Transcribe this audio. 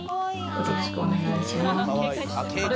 よろしくお願いします。